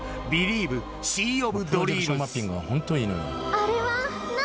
「あれは何？」